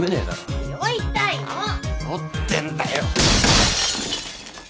酔ってんだよ！